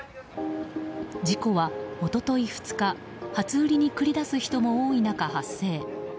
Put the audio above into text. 事故は一昨日２日初売りに繰り出す人も多い中発生。